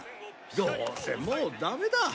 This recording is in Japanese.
どうせもう駄目だ。